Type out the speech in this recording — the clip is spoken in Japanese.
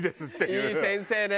いい先生ねえ。